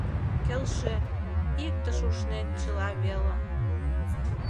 Келшен, иктыш ушнен чыла велым